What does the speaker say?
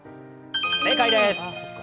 正解です。